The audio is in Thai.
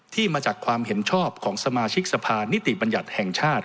ที่มาจากความเห็นชอบของสมาชิกสภานิติบัญญัติแห่งชาติ